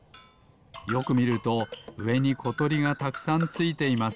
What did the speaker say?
よくみるとうえにことりがたくさんついています。